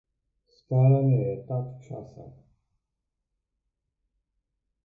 Staranje je tat časa.